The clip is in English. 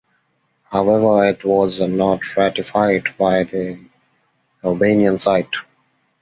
However it was not ratified by the Albanian side.